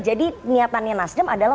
jadi niatannya nasdem adalah